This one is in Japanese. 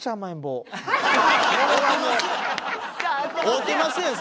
合うてますやん！